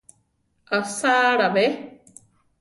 ¿Asáala be?